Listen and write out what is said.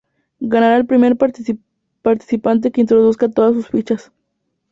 Ganará el primer participante que introduzca todas sus fichas.